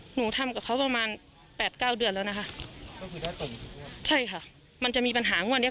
หนูทำกับเขาประมาณแปดเก้าเดือนแล้วนะคะก็คือได้ตนใช่ค่ะมันจะมีปัญหางวดเนี้ย